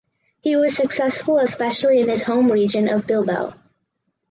He was successful especially in his home region of Bilbao.